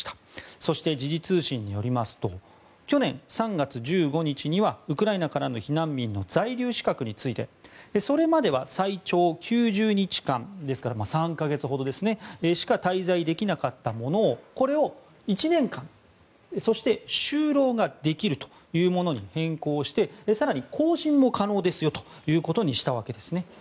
そして時事通信によりますと去年３月１５日にはウクライナのからの避難民の在留資格についてそれまでは最長９０日間ですから３か月ほどしか滞在できなかったものをこれを１年間、そして就労ができるものに変更して更に、更新も可能ですよということにしたんですね。